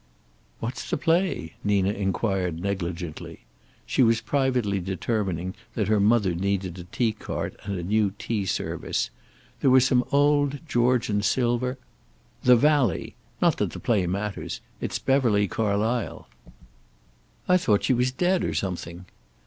"What's the play?" Nina inquired negligently. She was privately determining that her mother needed a tea cart and a new tea service. There were some in old Georgian silver "'The Valley.' Not that the play matters. It's Beverly Carlysle." "I thought she was dead, or something."